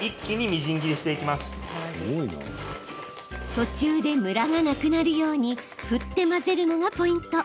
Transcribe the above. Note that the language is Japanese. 途中で、ムラがなくなるように振って混ぜるのがポイント。